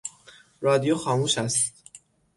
رادیو خاموش است.